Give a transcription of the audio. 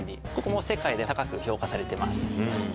とても世界で高く評価されてます。